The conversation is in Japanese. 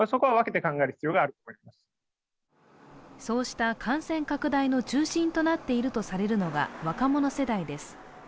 そうした感染拡大の中心となっているとされるのは若者世代です。